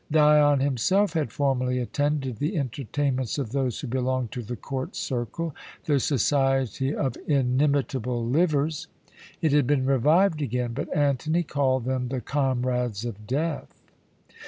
Dion himself had formerly attended the entertainments of those who belonged to the court circle, the society of "Inimitable Livers." It had been revived again, but Antony called them the "Comrades of Death."